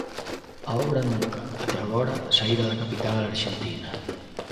A obra nunca até agora saíra da capital arxentina.